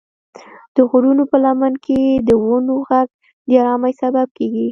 د غرونو په لمن کې د ونو غږ د ارامۍ سبب کېږي.